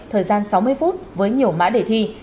thời gian sáu mươi phút với nhiều mã đề thi